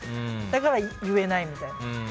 だから言えないみたいな。